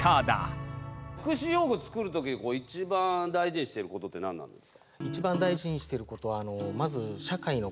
福祉用具作る時一番大事にしてることって何なんですか？